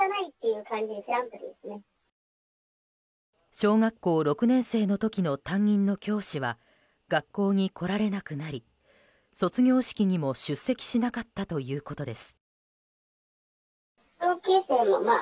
小学校６年生の時の担任の教師は学校に来られなくなり卒業式にも出席しなかったということです。